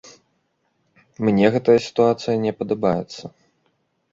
Мне гэтая сітуацыя не падабаецца.